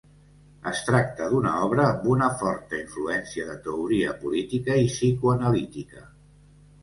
Es tracta d’una obra amb una forta influència de teoria política i psicoanalítica.